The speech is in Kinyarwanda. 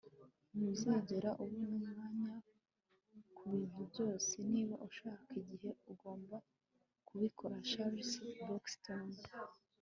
ntuzigera ubona umwanya kubintu byose. niba ushaka igihe, ugomba kubikora. - charles buxton